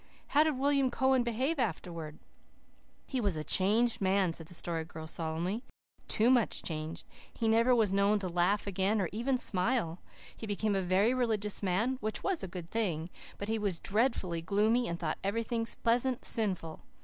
"How did William Cowan behave afterwards?" I asked. "He was a changed man," said the Story Girl solemnly. "Too much changed. He never was known to laugh again, or even smile. He became a very religious man, which was a good thing, but he was dreadfully gloomy and thought everything pleasant sinful.